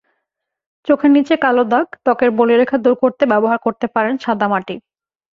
চোখের নিচের কালো দাগ, ত্বকের বলিরেখা দূর করতে ব্যবহার করতে পারেন সাদা মাটি।